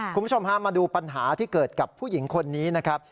คุณผู้ชมฮะมาดูปัญหาที่เกิดกับผู้หญิงคนนี้นะครับ